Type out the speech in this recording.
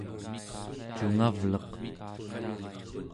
cungavleq